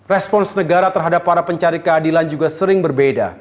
respons negara terhadap para pencari keadilan juga sering berbeda